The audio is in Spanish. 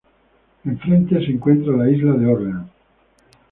Enfrente se encuentra la isla de Orleans.